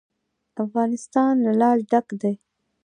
افغانستان له لعل ډک دی.